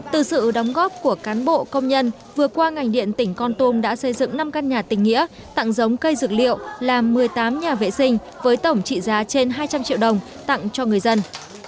từ sự đóng góp của cán bộ công nhân vừa qua ngành điện tỉnh con tum đã xây dựng năm căn nhà tình nghĩa tặng giống cây dược liệu làm một mươi tám nhà vệ sinh với tổng trị giá trên hai trăm linh triệu đồng tặng cho người dân